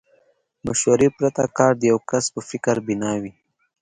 مشورې پرته کار د يوه کس په فکر بنا وي.